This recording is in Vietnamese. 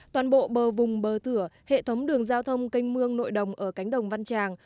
toàn bộ bờ vùng bờ thửa hệ thống đường giao thông canh mương nội đồng ở cánh đồng văn tràng